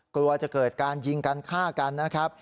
กลัวจะเกิดการยิงกันฆ่ากันนะครับ